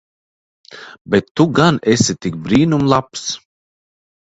Bet tu gan esi tik brīnum labs.